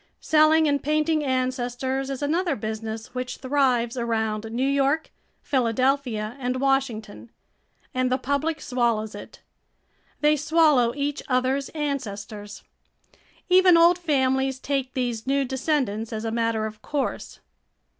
Selling and painting ancestors is another business which thrives around New York, Philadelphia, and Washington. And the public swallows it. They swallow each other's ancestors. Even old families take these new descendants as a matter of course.